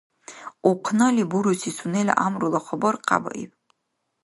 Ухънали буруси сунела гӀямрула хабар къябаиб.